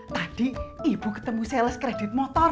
tadi ibu ketemu sales kredit motor